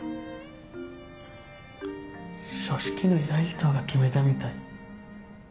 ソシキの偉い人が決めたみたい。